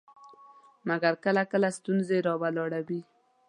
مګر کله کله ستونزې راولاړوي.